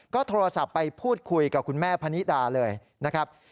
ก็โทรศัพท์ไปพูดคุยกับคุณแม่พนิดาเลยนะครับ